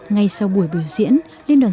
ngay sau buổi biểu diễn liên đoàn